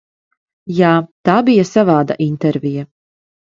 Jā, tā bija savāda intervija.